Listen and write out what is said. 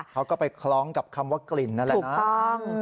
เขาก็ไปคล้องกับคำว่ากลิ่นนั่นแหละนะ